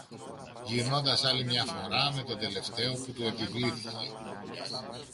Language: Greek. γυρνώντας άλλη μια φορά με τον τελευταίο που του επιβλήθηκε